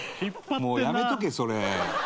もうやめとけそれ。